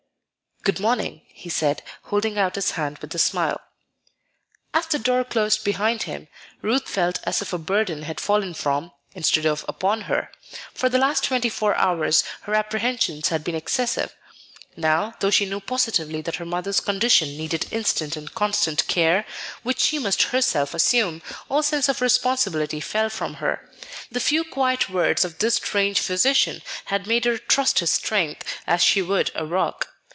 "Good morning," he said, holding out his hand with a smile. As the door closed behind him, Ruth felt as if a burden had fallen from, instead of upon her. For the last twenty four hours her apprehensions had been excessive. Now, though she knew positively that her mother's condition needed instant and constant care, which she must herself assume, all sense of responsibility fell from her. The few quiet words of this strange physician had made her trust his strength as she would a rock.